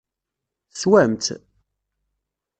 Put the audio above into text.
Teswam-tt?